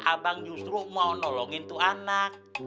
abang justru mau nolongin tuh anak